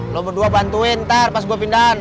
lo berdua bantuin ntar pas gue pindahan